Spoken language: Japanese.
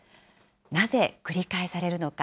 なぜ繰り返されるのか。